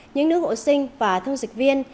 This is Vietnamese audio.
những nước hộ sinh và thương dịch viên